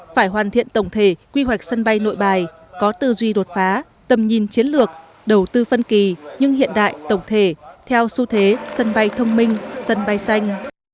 phải hoàn thiện tổng thể quy hoạch sân bay nội bài có tư duy đột phá tầm nhìn chiến lược đầu tư phân kỳ nhưng hiện đại tổng thể theo xu thế sân bay thông minh sân bay xanh